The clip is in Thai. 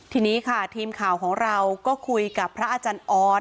ทีนี้ค่ะทีมข่าวของเราก็คุยกับพระอาจารย์ออส